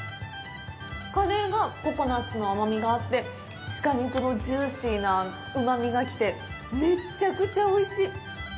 カレーがココナッツの甘みがあって鹿肉のジューシーなうまみが来てめちゃくちゃおいしい！